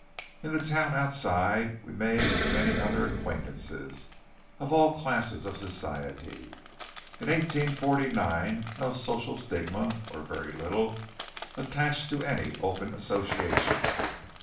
In the town outside we made many other acquaintances, of all classes of society. In 1849 no social stigma, or very little, attached to any open association.